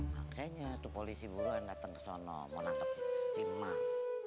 makanya tuh polisi buruan datang ke sana mau nangkep si emak